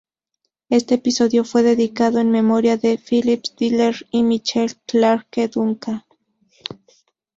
Este episodio fue dedicado en memoria de Phyllis Diller y Michael Clarke Duncan.